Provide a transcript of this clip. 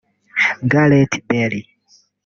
Gareth Bale